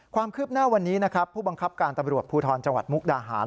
ความคืบหน้าวันนี้นะครับผู้บังคับการตำรวจภูทรจังหวัดมุกดาหาร